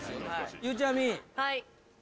ゆうちゃみ。